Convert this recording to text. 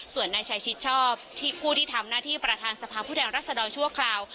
ส่วนนายชายชิดชอบที่ผู้ที่ทำหน้าที่ประธานสภาพผู้แทนรัศดรชั่วคราว